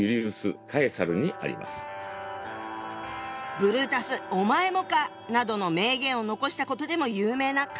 「ブルータスお前もか」などの名言を残したことでも有名な彼。